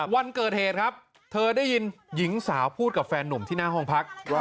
วันเกิดเหตุครับเธอได้ยินหญิงสาวพูดกับแฟนนุ่มที่หน้าห้องพัก